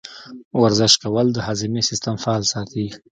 ورزش کول د هاضمې سیستم فعال ساتي.